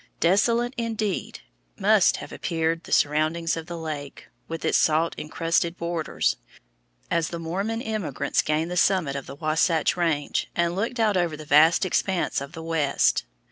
Desolate, indeed, must have appeared the surroundings of the lake, with its salt incrusted borders, as the Mormon emigrants gained the summit of the Wasatch Range and looked out over the vast expanse to the west.